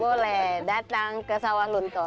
boleh datang ke sawah lunto